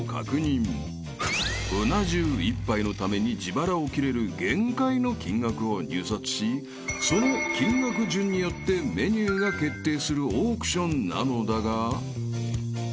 ［うな重１杯のために自腹を切れる限界の金額を入札しその金額順によってメニューが決定するオークションなのだが］